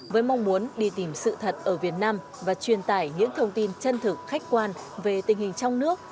với mong muốn đi tìm sự thật ở việt nam và truyền tải những thông tin chân thực khách quan về tình hình trong nước